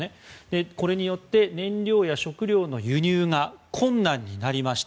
これにより燃料や食糧の輸入が困難になった。